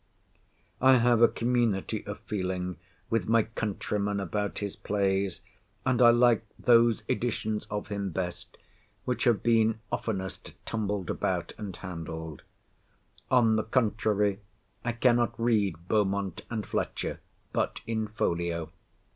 I have a community of feeling with my countrymen about his Plays, and I like those editions of him best, which have been oftenest tumbled about and handled.—On the contrary, I cannot read Beaumont and Fletcher but in Folio.